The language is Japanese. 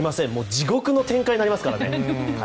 地獄の展開になりますからね。